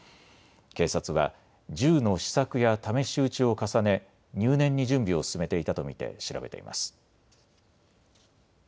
警察は銃の試作や試し撃ちを重ね入念に準備を進めていたと見て調べています。